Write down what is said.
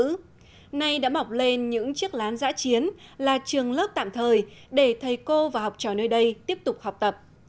hôm nay đã mọc lên những chiếc lán giã chiến là trường lớp tạm thời để thầy cô và học trò nơi đây tiếp tục học tập